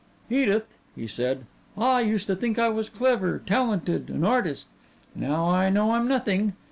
"Edith," he said, "I used to think I was clever, talented, an artist. Now I know I'm nothing.